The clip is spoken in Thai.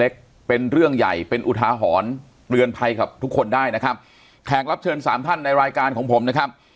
ขอเตือนภัยกับทุกคนได้นะครับแขกรับเชิญ๓ท่านในรายการของผมนะครับ